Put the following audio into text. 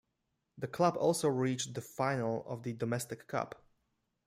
The club also reached the final of the domestic cup.